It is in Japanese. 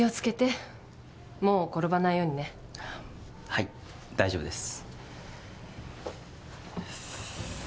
はい大丈夫です。